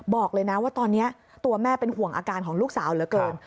บอกเลยนะว่าตอนนี้ตัวแม่เป็นห่วงอาการของลูกสาวเหลือเกิน